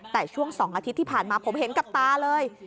แต่ช่วง๒อาทิตย์ที่ผ่านมาผมเห็นกับตาเลย